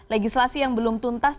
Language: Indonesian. legislasi yang belum tuntas